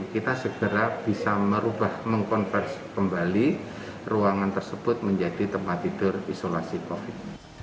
kita segera bisa merubah mengkonversi kembali ruangan tersebut menjadi tempat tidur isolasi covid sembilan belas